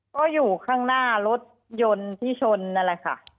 ก็อยู่ข้างหน้ารถยนต์ที่ชนนั่นแหละค่ะ